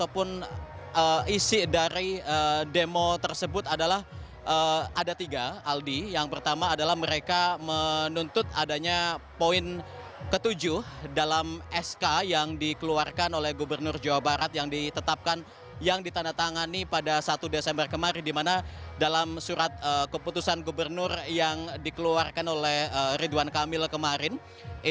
pertama sekali saya ingin mengucapkan terima kasih kepada para penonton dan penonton yang telah menonton video ini